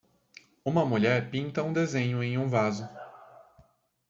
Uma mulher pinta um desenho em um vaso.